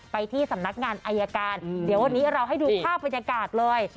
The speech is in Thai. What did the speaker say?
ไปที่สำนักงานอายการเดี๋ยววันนี้เราให้ดูภาพบรรยากาศเลย